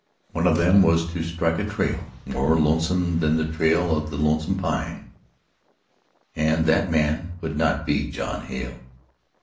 One of them was to strike a trail more lonesome than the Trail of the Lonesome Pine, and that man would not be John Hale.